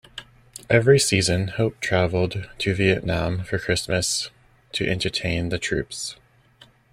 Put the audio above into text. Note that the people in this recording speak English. Every season, Hope traveled to Vietnam for Christmas, to entertain the troops.